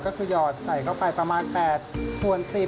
ก็คือหยอดใส่เข้าไปประมาณ๘ส่วน๑๐